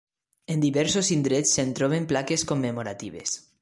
En diversos indrets se'n troben plaques commemoratives.